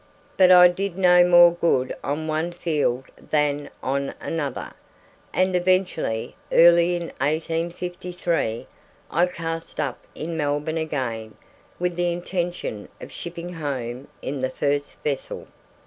But I did no more good on one field than on another, and eventually, early in 1853, I cast up in Melbourne again with the intention of shipping home in the first vessel.